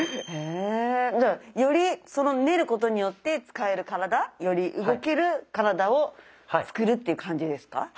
じゃあより練ることによって使える体より動ける体を作るっていう感じですか？